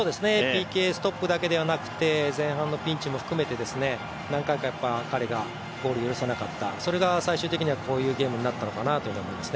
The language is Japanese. ＰＫストップだけではなくて、前半のピンチも含めて何回か彼がゴールを許さなかった、それが最終的にはこういうゲームになったのかなと思います。